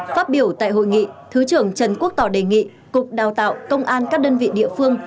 phát biểu tại hội nghị thứ trưởng trần quốc tỏ đề nghị cục đào tạo công an các đơn vị địa phương